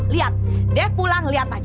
lihat deh pulang lihat aja